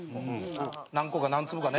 何個か何粒かね。